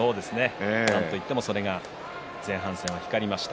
なんといってもそれが光りました。